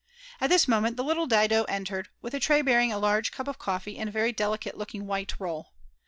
At this momenl the little Dido entered, with a tray bearing a large" cup of coffee and a very delicate looking while roll.